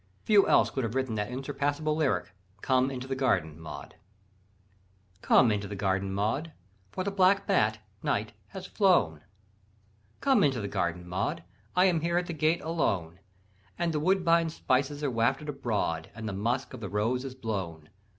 Few else could have written that unsurpassable lyric, Come into the Garden, Maud. "Come into the garden, Maud, For the black bat, night, has flown, Come into the garden, Maud, I am here at the gate alone; And the woodbine spices are wafted abroad, And the musk of the rose is blown.